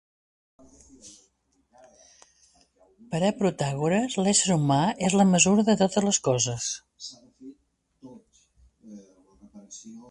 Per a Protàgores l'ésser humà és la mesura de totes les coses.